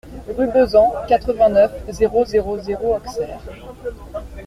Rue Besan, quatre-vingt-neuf, zéro zéro zéro Auxerre